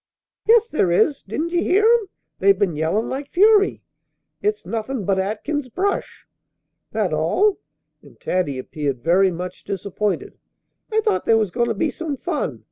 "Yes, there is! Didn't ye hear 'em? They've been yellin' like fury." "It's nothin' but Atkins's brush." "That all?" And Taddy appeared very much disappointed. "I thought there was goin' to be some fun.